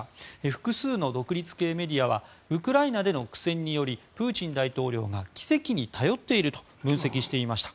複数の独立系メディアはウクライナでの苦戦によりプーチン大統領が奇跡に頼っていると分析していました。